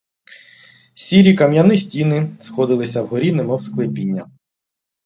Сірі кам'яні стіни сходилися вгорі, немов склепіння.